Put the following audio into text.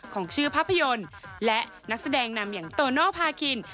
ของชื่อภาพยนตร์และนักแสดงนำอย่างโตโนภาคิน